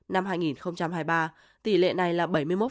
năm hai nghìn hai mươi ba tỷ lệ này là bảy mươi một